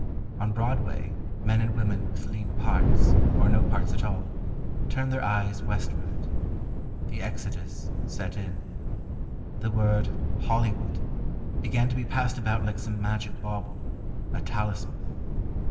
On Broadway, men and women with lean parts, or no parts at all, turned their eyes westward. The exodus set in. The word "Hollywood" began to be passed about like some magic bauble, a talisman.